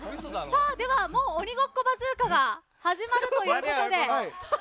「鬼ごっこバズーカ」が始まるということで。